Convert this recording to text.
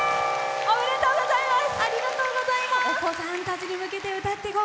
おめでとうございます！